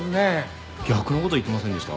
逆のこと言ってませんでした？